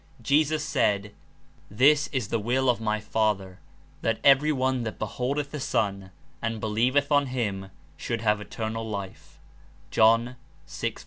Jesus said: ''This is the will of my Father, that every one that beholdeth the Son, and he lieveth on him, should have eternal life/' (John 6.40.)